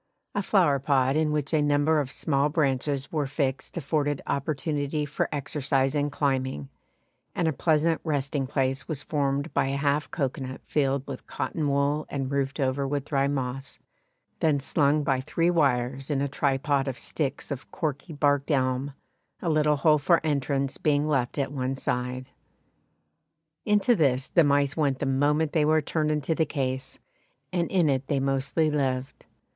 A flowerpot in which a number of small branches were fixed afforded opportunity for exercise in climbing, and a pleasant resting place was formed by a half cocoanut filled with cotton wool and roofed over with dry moss, then slung by three wires in a tripod of sticks of corky barked elm, a little hole for entrance being left at one side. Into this the mice went the moment they were turned into the case, and in it they mostly lived.